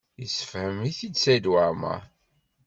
Yessefhem-it-id Saɛid Waɛmaṛ.